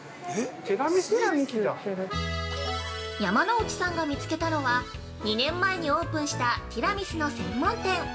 ◆山之内さんが見つけたのは、２年前にオープンしたティラミスの専門店